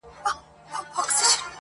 راښكاره سوې سرې لمبې ياغي اورونه،